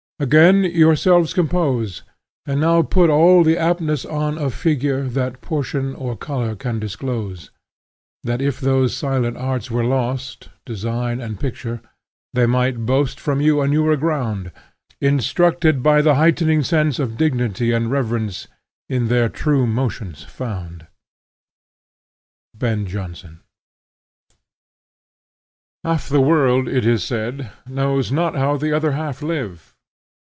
Again yourselves compose, And now put all the aptness on Of Figure, that Proportion Or Color can disclose; That if those silent arts were lost, Design and Picture, they might boast From you a newer ground, Instructed by the heightening sense Of dignity and reverence In their true motions found." BEN JONSON IV. MANNERS. HALF the world, it is said, knows not how the other half live.